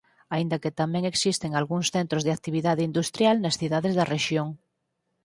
Aínda que tamén existen algúns centros de actividade industrial nas cidades da rexión.